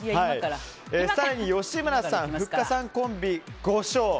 更に、吉村さんとふっかさんのコンビは５勝。